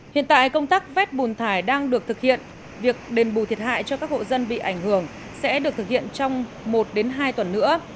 hiện tại công tác vét bùn thải đang được thực hiện việc đền bù thiệt hại cho các hộ dân bị ảnh hưởng sẽ được thực hiện trong một hai tuần nữa